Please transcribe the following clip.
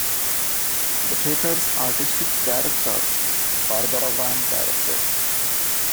The theatre's artistic director Barbara Vann directed.